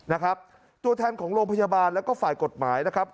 นะครับตัวแทนของโรงพยาบาลแล้วก็ฝ่ายกฎหมายนะครับ